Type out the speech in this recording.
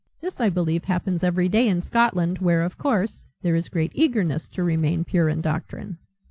This, I believe, happens every day in Scotland where, of course, there is great eagerness to remain pure in doctrine."